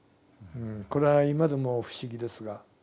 これは今でも不思議ですが。